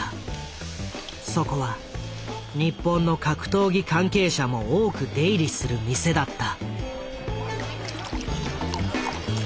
そこは日本の格闘技関係者も多く出入りする店だった。